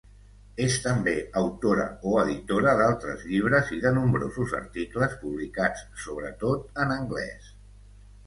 És també autora o editora d’altres llibres i de nombrosos articles publicats sobretot en anglés.